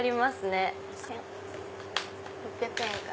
１６００円から。